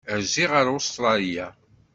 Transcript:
Rziɣ ar Ustṛalya.